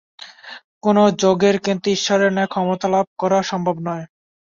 কোন যোগীর কিন্তু ঈশ্বরের ন্যায় ক্ষমতালাভ করা সম্ভব নয়।